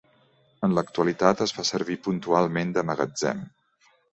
En l'actualitat es fa servir puntualment de magatzem.